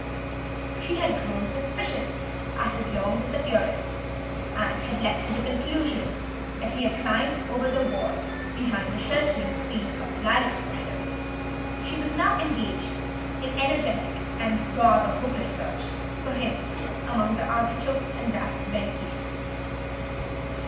She had grown suspicious at his long disappearance, and had leapt to the conclusion that he had climbed over the wall behind the sheltering screen of the lilac bushes; she was now engaged in energetic and rather hopeless search for him among the artichokes and raspberry canes.